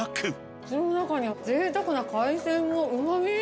口の中にぜいたくな海鮮のうまみ。